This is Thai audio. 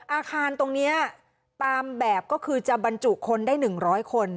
อาคารตรงนี้ตามแบบก็คือจะบรรจุคนได้๑๐๐คน